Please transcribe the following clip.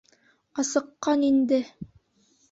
Асыҡҡан инде.